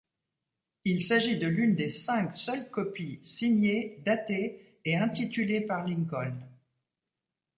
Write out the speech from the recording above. Il s'agit de l'une des cinq seules copies signées, datées et intitulées par Lincoln.